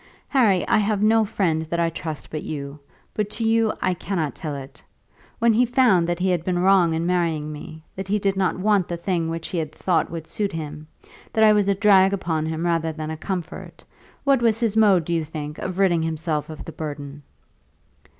Harry, I have no friend that I trust but you, but to you I cannot tell it. When he found that he had been wrong in marrying me, that he did not want the thing which he had thought would suit him, that I was a drag upon him rather than a comfort, what was his mode, do you think, of ridding himself of the burden?"